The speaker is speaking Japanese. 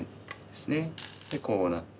でこうなって。